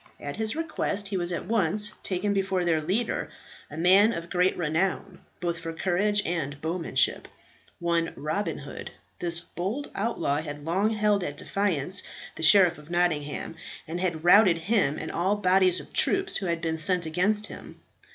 At his request he was at once taken before their leader, a man of great renown both for courage and bowmanship, one Robin Hood. This bold outlaw had long held at defiance the Sheriff of Nottingham, and had routed him and all bodies of troops who had been sent against him.